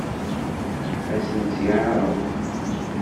Ad sen-tt-yeɛṛeḍ?